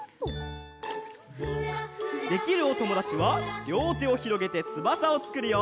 できるおともだちはりょうてをひろげてつばさをつくるよ。